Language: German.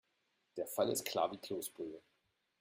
Der Fall ist klar wie Kloßbrühe.